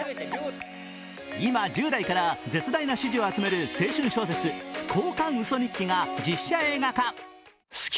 今、１０代から絶大な支持を集める青春小説「交換ウソ日記」が実写映画化。